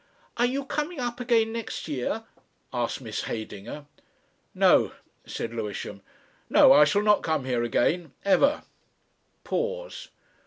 "Are you coming up again next year?" asked Miss Heydinger. "No," said Lewisham. "No, I shall not come here again. Ever." Pause.